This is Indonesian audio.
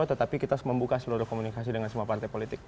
tetapi kita harus membuka seluruh komunikasi dengan semua partai politik